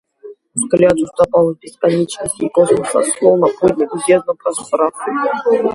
Взгляд утопал в бесконечности космоса, словно путник в звездном пространстве.